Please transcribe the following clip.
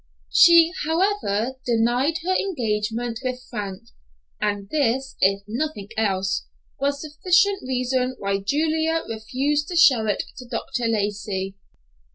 She, however, denied her engagement with Frank, and this, if nothing else, was sufficient reason why Julia refused to show it to Dr. Lacey.